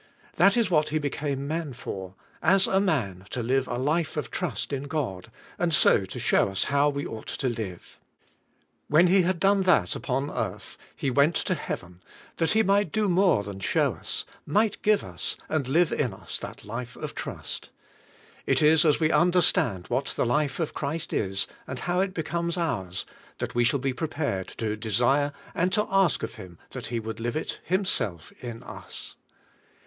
That is what He became man for; as a man to live a life of trust in God, and so to show to us how we ought to live. When He had done that upon earth, He went to heaven, that He might do more than show us, might give us, and live in us that life of trust. It is as we understand what the life of Christ is and how it becomes ours, that we shall be prepared to desire and to ask of Him that He would live it Himself in us.